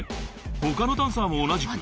他のダンサーも同じく］